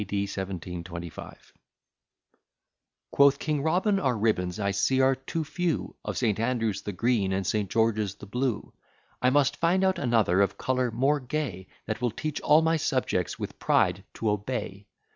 D. 1725 Quoth King Robin, our ribbons I see are too few Of St. Andrew's the green, and St. George's the blue. I must find out another of colour more gay, That will teach all my subjects with pride to obey.